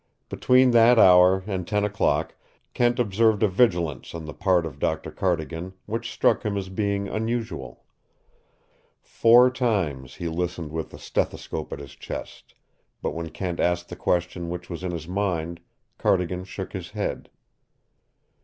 Between that hour and ten o'clock Kent observed a vigilance on the part of Dr. Cardigan which struck him as being unusual. Four times he listened with the stethoscope at his chest, but when Kent asked the question which was in his mind, Cardigan shook his head.